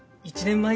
１年前！？